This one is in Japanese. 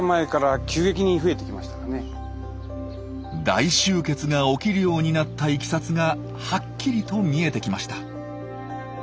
大集結が起きるようになったいきさつがはっきりと見えてきました。